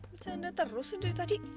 bercanda terusin dari tadi